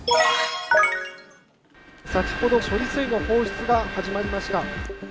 先ほど処理水の放出が始まりました。